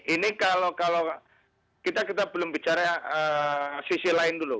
ini kalau kita belum bicara sisi lain dulu